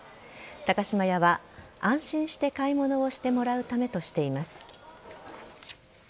高島屋は安心して買い物をしてもらうためとしています。